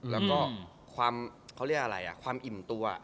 แล้วก็ความเขาเรียกอะไรความอิ่มตัว